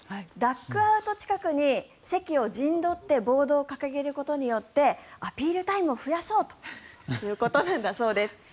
ダッグアウト近くに席を陣取ってボードを掲げることによってアピールタイムを増やそうということだそうです。